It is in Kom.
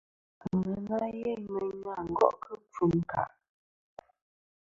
Aŋena yeyn mɨ na sɨ gòˈ kɨ ɨkfɨm ɨ ɨ̀nkàˈ.